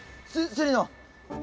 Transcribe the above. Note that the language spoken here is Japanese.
セリナ！